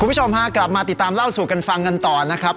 คุณผู้ชมฮะกลับมาติดตามเล่าสู่กันฟังกันต่อนะครับ